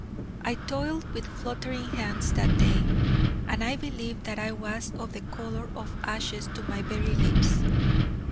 I toiled with fluttering hands that day, and I believe that I was of the colour of ashes to my very lips.